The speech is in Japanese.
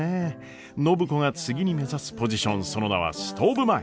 暢子が次に目指すポジションその名はストーブ前。